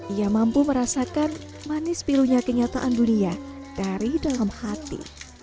ia mampu merasakan manis pilunya kenyataan dunia dari dalam hati